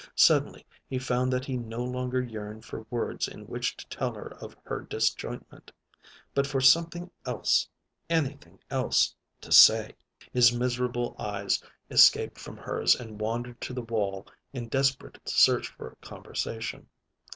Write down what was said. Suddenly he found that he no longer yearned for words in which to tell her of her disjointment, but for something else anything else to say. His miserable eyes escaped from hers and wandered to the wall in desperate search for conversation.